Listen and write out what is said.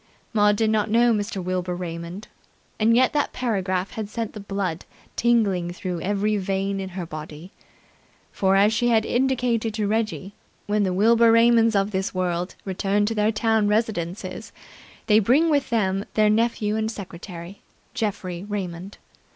Maud did not know Mr. Wilbur Raymond, and yet that paragraph had sent the blood tingling through every vein in her body. For as she had indicated to Reggie, when the Wilbur Raymonds of this world return to their town residences, they bring with them their nephew and secretary, Geoffrey Raymond.